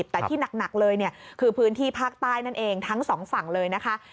แต่ที่หนักเลยเนี่ยคือพื้นที่ภาคใต้นั่นเองทั้งสองฝั่งเลยนะคะ